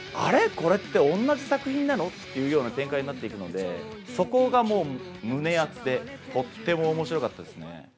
これって同じ作品なのっていうような展開になっていくので、そこがもう胸アツで、とてもおもしろかったですね。